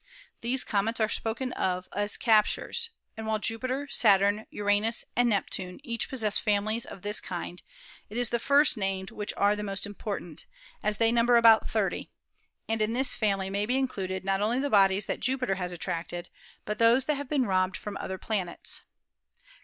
These comets are spoken of as "captures," and while Jupiter, Saturn, Uranus and Neptune each possess families of this kind, it is the first named which are the most important, as they number about 30, and in this family may be included not only the bodies that Jupiter has attracted, but those that have been robbed from other planets.